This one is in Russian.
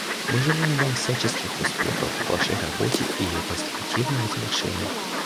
Мы желаем Вам всяческих успехов в Вашей работе и ее конструктивного завершения.